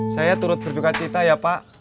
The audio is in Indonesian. saya turut berduka cita ya pak